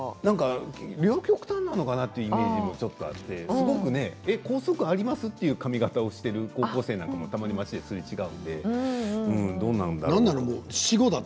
両極端のかなという感じがちょっとあって校則あります？という髪形をする高校生なんかもたまに街ですれ違うのでどうなんだろうと。